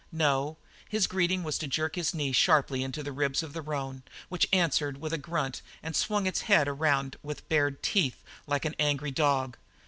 No, his greeting was to jerk his knee sharply into the ribs of the roan, which answered with a grunt and swung its head around with bared teeth, like an angry dog.